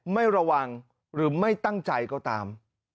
ไม่ระวังหรือไม่ตั้งใจก็ตาม